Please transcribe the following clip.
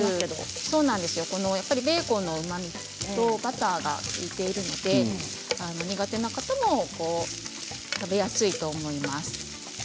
ベーコンのうまみとバターが苦手な方も食べやすいと思います。